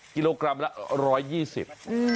กิโลกรัมละร้อยยี่สิบ